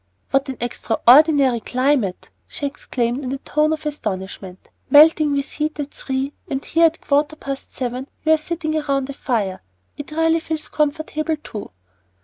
"What an extraordinary climate!" she exclaimed in a tone of astonishment. "Melting with heat at three, and here at a quarter past seven you are sitting round a fire! It really feels comfortable, too!"